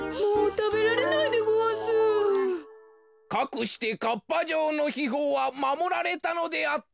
かくしてかっぱ城のひほうはまもられたのであった。